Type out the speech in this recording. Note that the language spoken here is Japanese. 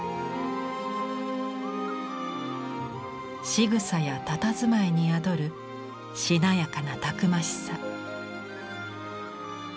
しぐさやたたずまいに宿るしなやかなたくましさ。